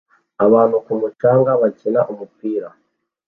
Abantu ku mucanga bakina umupira